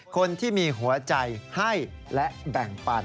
คนที่มีหัวใจให้และแบ่งปัน